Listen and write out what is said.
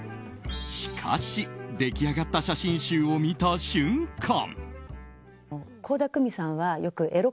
しかし、出来上がった写真集を見た瞬間。